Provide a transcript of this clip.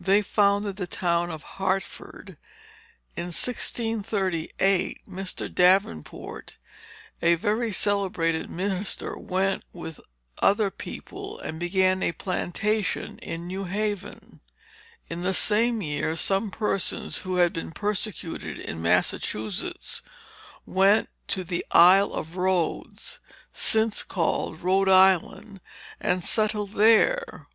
They founded the town of Hartford. In 1638, Mr. Davenport, a very celebrated minister, went, with other people, and began a plantation at New Haven. In the same year, some persons who had been persecuted in Massachusetts, went to the Isle of Rhodes, since called Rhode Island, and settled there.